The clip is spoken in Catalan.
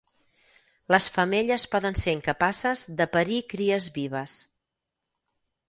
Les femelles poden ser incapaces de parir cries vives.